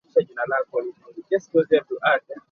Akalimi obwedda tekagenda nga kabala mpola.